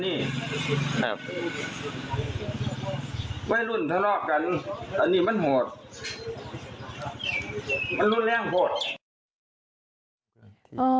แต่เราไปได้ข้อมูลจากกลุ่มเพื่อนของนายดุษฎีคนตายมาแบบนี้ว่า